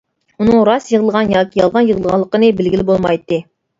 ئۇنىڭ راست يىغلىغان ياكى يالغان يىغلىغانلىقىنى بىلگىلى بولمايتتى.